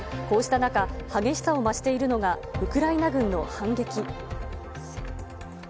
こうした中、激しさを増しているのが、ウクライナ軍の反撃。